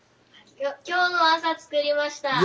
今日の朝作りました。